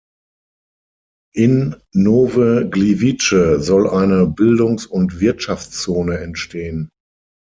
In Nowe Gliwice soll eine Bildungs- und Wirtschaftszone entstehen.